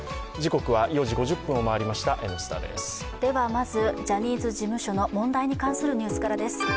まずジャニーズ事務所の問題に関するニュースからです。